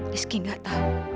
rizki gak tau